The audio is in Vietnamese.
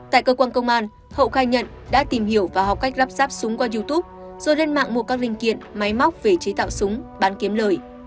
tại cơ quan công an hậu khai nhận đã tìm hiểu và học cách lắp ráp súng qua youtube rồi lên mạng mua các linh kiện máy móc về chế tạo súng bán kiếm lời